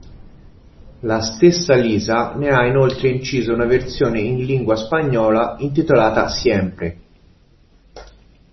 La stessa Lisa ne ha inoltre inciso una versione in lingua spagnola intitolata "Siempre".